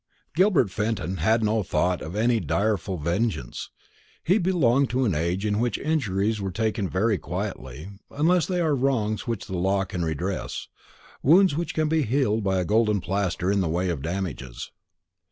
Gilbert Fenton had no thought of any direful vengeance. He belonged to an age in which injuries are taken very quietly, unless they are wrongs which the law can redress wounds which can be healed by a golden plaster in the way of damages.